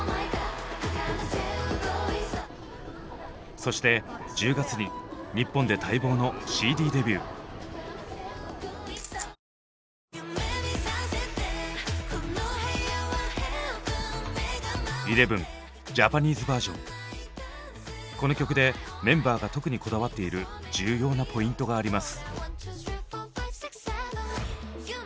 そして１０月にこの曲でメンバーが特にこだわっている重要なポイントがあります。